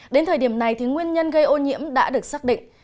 đến thời điểm này nguyên nhân gây ô nhiễm đã được xác định